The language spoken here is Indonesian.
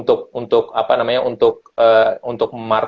untuk apa namanya untuk